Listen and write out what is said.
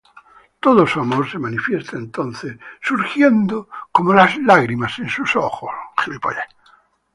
Todo su amor se manifiesta entonces, surgiendo como las lágrimas en sus ojos.